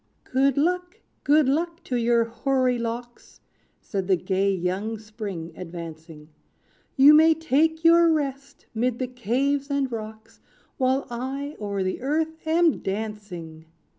"Good luck! good luck, to your hoary locks!" Said the gay young Spring, advancing; "You may take your rest 'mid the caves and rocks, While I o'er the earth am dancing.